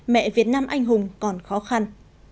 mẹ việt nam anh hùng còn khó khăn